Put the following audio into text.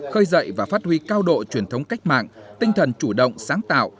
khơi dậy và phát huy cao độ truyền thống cách mạng tinh thần chủ động sáng tạo